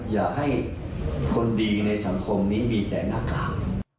อย่าให้คนดีในสังคมนี้มีแต่หน้ากาก